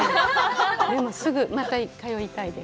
でもすぐ、また通いたいです。